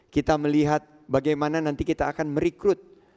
kita melihat bagaimana nanti kita akan merekrut